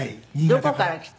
どこから来て？